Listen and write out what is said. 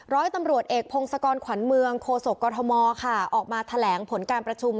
ร้อยตำรวจเอกพงศกรขวัญเมืองโคศกกรทมค่ะออกมาแถลงผลการประชุม